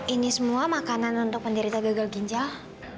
ini semua makanan untuk penderita gagal ginjal